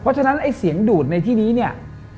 เพราะฉะนั้นเสียงดูดในที่นี้